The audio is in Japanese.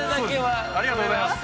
ありがとうございます。